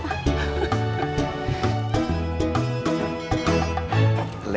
tidak ada masalah